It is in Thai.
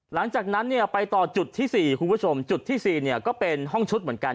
หลังจากนั้นเนี่ยไปต่อจุดที่๔คุณผู้ชมจุดที่๔เนี่ยก็เป็นห้องชุดเหมือนกัน